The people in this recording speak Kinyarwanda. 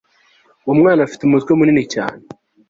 Uwo mwana afite umutwe munini cyane